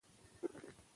تاسو ولې ښار ته ځئ؟